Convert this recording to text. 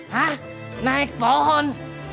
hah naik pohon